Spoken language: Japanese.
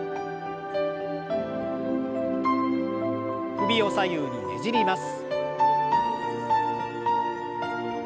首を左右にねじります。